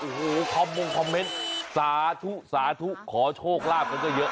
โอ้โหคอมมงคอมเมนต์สาธุสาธุขอโชคลาภกันก็เยอะ